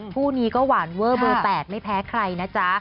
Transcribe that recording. คู่นี้ก็หวานเวอร์เบอร์๘ไม่แพ้ใครนะจ๊ะ